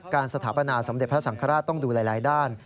สถาปนาสมเด็จพระสังฆราชต้องดูหลายด้าน